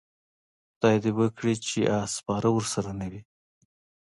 خدای دې وکړي چې اس سپاره ورسره نه وي.